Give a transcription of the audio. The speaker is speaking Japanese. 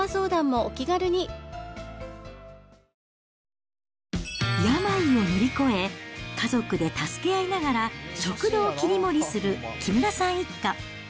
ニトリ病を乗り越え、家族で助け合いながら食堂を切り盛りする木村さん一家。